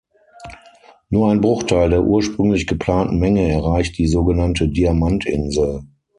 Nur ein Bruchteil der ursprünglich geplanten Menge erreicht die sogenannte Diamant-Insel.